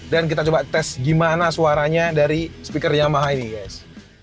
dan kita coba tes gimana suaranya dari speaker yamaha ini guys